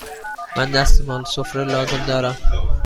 من دستمال سفره لازم دارم.